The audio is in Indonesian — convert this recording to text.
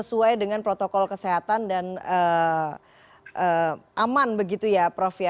sesuai dengan protokol kesehatan dan aman begitu ya prof ya